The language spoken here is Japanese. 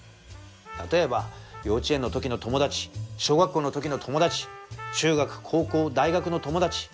例えば幼稚園の時の友達小学校の時の友達中学高校大学の友達。